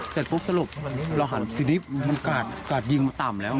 แล้วสรุปเราหันรภ์ทีนี้กราดยิงต่ำแล้ว